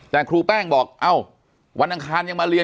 แต่คุณยายจะขอย้ายโรงเรียน